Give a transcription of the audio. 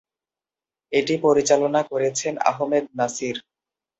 এটি পরিচালনা করেছেন আহমেদ নাসির।